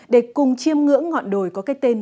để cùng chiêm ngưỡng ngọn đồi có cách tham gia